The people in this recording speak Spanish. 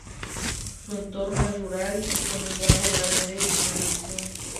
Su entorno es rural y con un bajo grado de urbanización.